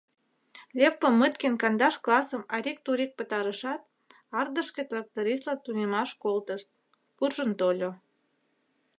Лев Помыткин кандаш классым арик-турик пытарышат, Ардышке трактористлан тунемаш колтышт — куржын тольо.